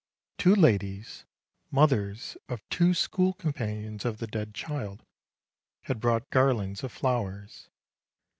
Two ladies, mothers of two school companions of the dead child, had brought garlands of flowers.